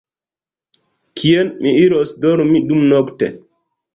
Kien mi iros dormi dumnokte?